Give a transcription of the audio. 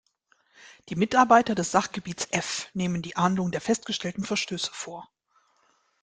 Die Mitarbeiter des Sachgebiets F nehmen die Ahndung der festgestellten Verstöße vor.